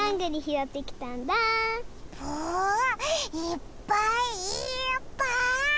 いっぱいいっぱい！